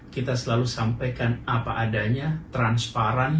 kita selalu sampaikan apa adanya transparan